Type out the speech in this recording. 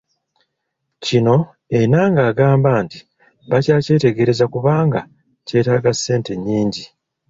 Kino Enanga agamba nti bakyakyetegereza kubanga kyetaaga ssente nnyingi.